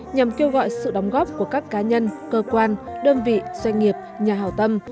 nhằm kêu gọi sự đóng góp của các cá nhân cơ quan đơn vị doanh nghiệp nhà hảo tâm